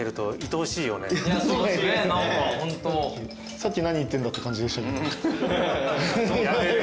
さっき何言ってんだって感じでしたけど。